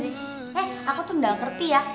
eh aku tuh gak ngerti ya